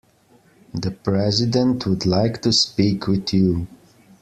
The President would like to speak with you.